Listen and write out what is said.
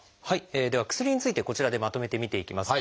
では薬についてこちらでまとめて見ていきます。